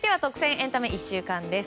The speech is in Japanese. エンタメ１週間です。